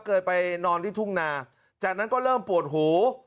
เคยไปนอนที่ทุ่งนาจากนั้นก็เริ่มปวดหู